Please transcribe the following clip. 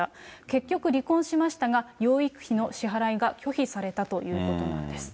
結局離婚しましたが、養育費の支払いが拒否されたということなんです。